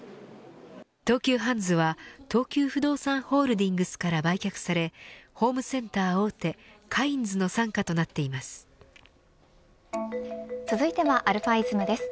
東急ハンズは東急不動産ホールディングスから売却され、ホームセンター大手続いてはαｉｓｍです。